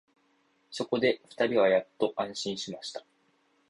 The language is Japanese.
そこで二人はやっと安心しました